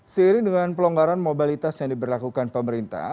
seiring dengan pelonggaran mobilitas yang diberlakukan pemerintah